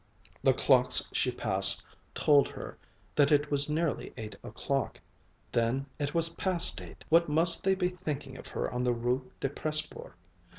The clocks she passed told her that it was nearly eight o'clock. Then it was past eight. What must they be thinking of her on the Rue de Presbourg?